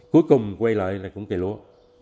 cuối cùng quay lại là cũng cây lúa